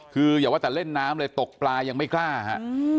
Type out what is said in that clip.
คืออย่าว่าแต่เล่นน้ำเลยตกปลายังไม่กล้าฮะ